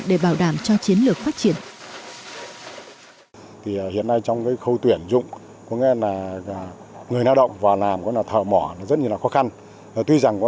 để bảo đảm cho chiến lược phát triển